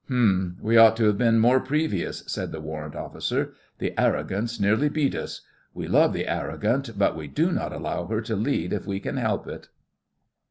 'Hum! We ought to have been more previous,' said the Warrant Officer. 'The Arrogants nearly beat us. We love the Arrogant, but we do not allow her to lead if we can help it.